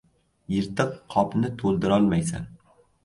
• Yirtiq qopni to‘ldirolmaysan.